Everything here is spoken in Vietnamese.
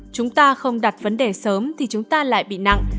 chúng ta không đặt vấn đề sớm thì chúng ta lại bị nặng